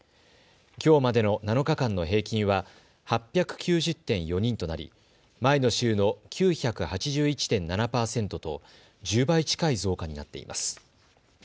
きょうまでの７日間の平均は８９０．４人となり前の週の９８１．７％と１０倍近い増加になっています。